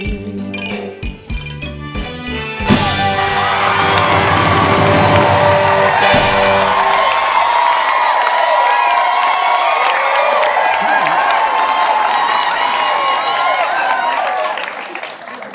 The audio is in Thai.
ขยายแกยอย่างนี้